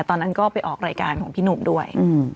ตอนนั้นก็ไปออกรายการของพี่หนุ่มด้วย